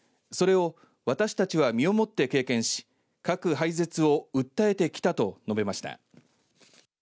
それを私たちは身をもって経験し核廃絶を訴えてきたと述べました。